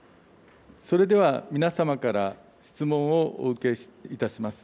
それでは、皆様から質問をお受けいたします。